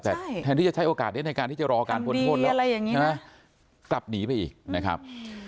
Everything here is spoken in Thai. แต่แทนที่จะใช้โอกาสนี้ในการที่จะรอการพ้นโทษแล้วใช่ไหมกลับหนีไปอีกนะครับ